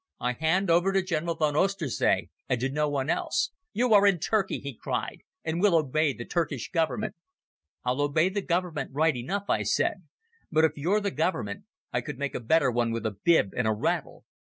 I hand over to General von Oesterzee and to no one else." "You are in Turkey," he cried, "and will obey the Turkish Government." "I'll obey the Government right enough," I said; "but if you're the Government I could make a better one with a bib and a rattle."